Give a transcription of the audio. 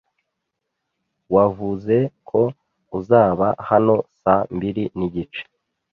Wavuze ko uzaba hano saa mbiri nigice.